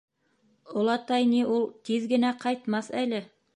- Олатай ни ул тиҙ генә ҡайтмаҫ әле.